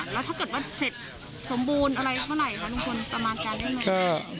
แล้วถ้าเกิดว่าเสร็จสมบูรณ์อะไรเมื่อไหร่คะลุงพลประมาณการได้ไหม